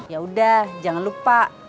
yaudah jangan lupa